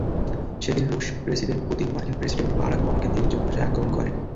সেদিন রুশ president Putin মার্কিন প্রেসিডেন্ট বারাক ওবামাকে তীর্যক ভাষায় আক্রমণ করেন।